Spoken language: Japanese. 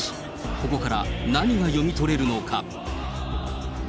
ここから何が読み取れるのか。